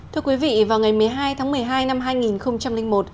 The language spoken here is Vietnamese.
thưa quý vị vào ngày một mươi hai tháng một mươi hai năm hai nghìn một